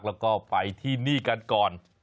แล้วก็ไปที่นี่กันก่อน